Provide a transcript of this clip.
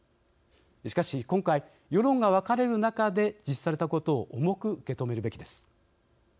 しかし今回、世論が分かれる中で実施されたことを重く受け止めるべきです。